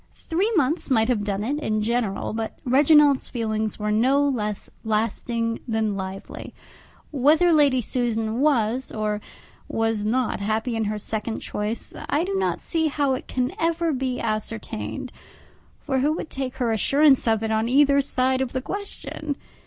Three months might have done it in general, but Reginald's feelings were no less lasting than lively. Whether Lady Susan was or was not happy in her second choice, I do not see how it can ever be ascertained; for who would take her assurance of it on either side of the question?